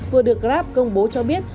vừa được grab công bố cho biết